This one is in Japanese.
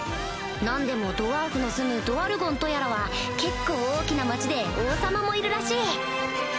何でもドワーフの住むドワルゴンとやらは結構大きな町で王様もいるらしい